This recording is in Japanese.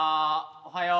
おはよう。